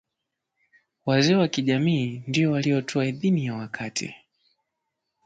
wazee wa kijamii ndio waliotoa idhini ya wakati